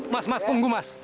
mas mas tunggu mas